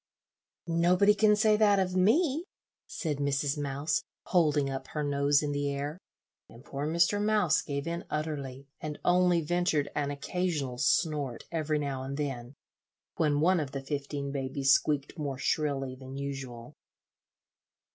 "Nobody can say that of me," said Mrs. Mouse, holding up her nose in the air; and poor Mr. Mouse gave in utterly, and only ventured an occasional snort every now and then, when one of the fifteen babies squeaked more shrilly than usual.